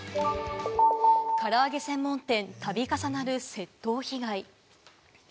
からあげ専門店、度重なる窃盗被害。